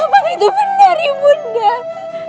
apakah itu benar ibu dah